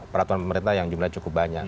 peraturan pemerintah yang jumlahnya cukup banyak